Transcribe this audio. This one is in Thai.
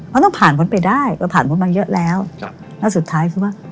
มันต้องผ่านพ้นไปได้มันผ่านพ้นมาเยอะแล้วแล้วสุดท้ายคือว่า